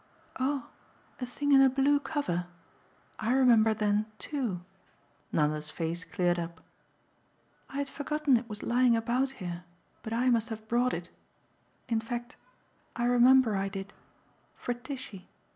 "Oh a thing in a blue cover? I remember then too." Nanda's face cleared up. "I had forgotten it was lying about here, but I must have brought it in fact I remember I did for Tishy.